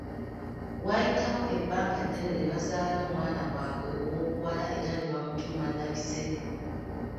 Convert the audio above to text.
Waayitawo ebbanga ddene ne bazaala omwana waabwe ow’obuwala era ne bamutuuma Nabisere.